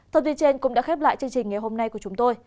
thông tin trên cũng đã khép lại chương trình ngày hôm nay của chúng tôi